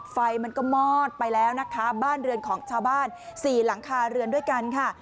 ไฟมันก็มอดไปแล้วนะคะบ้านเรือนของชาวบ้านสี่หลังคาเรือนด้วยกันค่ะ